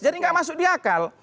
jadi enggak masuk di akal